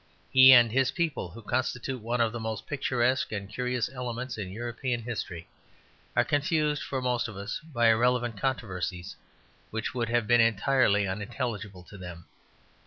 He and his people, who constitute one of the most picturesque and curious elements in European history, are confused for most of us by irrelevant controversies which would have been entirely unintelligible to them.